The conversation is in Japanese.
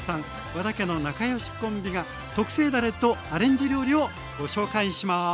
和田家の仲良しコンビが特製だれとアレンジ料理をご紹介します。